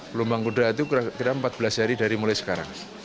gelombang kedua itu kira empat belas hari dari mulai sekarang